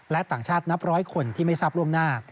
และต่างชาตินับร้อยคนที่ไม่ทราบล่วงหน้า